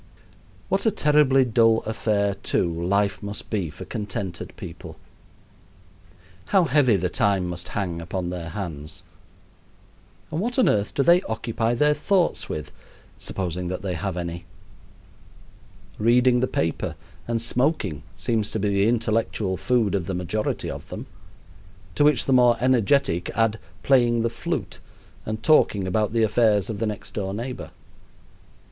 What a terribly dull affair, too, life must be for contented people! How heavy the time must hang upon their hands, and what on earth do they occupy their thoughts with, supposing that they have any? Reading the paper and smoking seems to be the intellectual food of the majority of them, to which the more energetic add playing the flute and talking about the affairs of the next door neighbor.